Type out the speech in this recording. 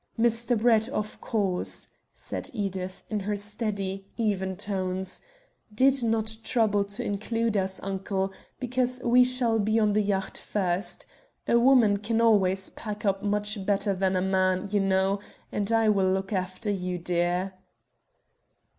"Mr. Brett, of course," said Edith, in her steady, even tones, "did not trouble to include us, uncle, because we shall be on the yacht first. A woman can always pack up much better than a man, you know, and I will look after you, dear."